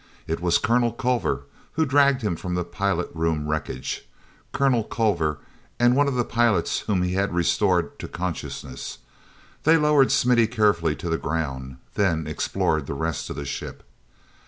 It was Colonel Culver who dragged him from the pilot room wreckage, Colonel Culver and one of the pilots whom he had restored to consciousness. They lowered Smithy carefully to the ground, then explored the rest of the ship.